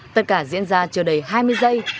tất cả diễn ra chờ đầy hai mươi giây